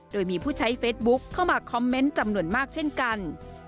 โดยมีผู้ใช้เฟซบุ๊คเข้ามาคอมเมนต์จำนวนมากเช่นกัน